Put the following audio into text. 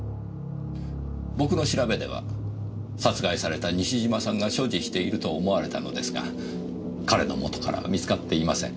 僕の調べでは殺害された西島さんが所持していると思われたのですが彼のもとからは見つかっていません。